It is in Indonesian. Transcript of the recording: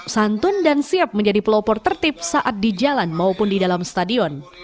santun dan siap menjadi pelopor tertib saat di jalan maupun di dalam stadion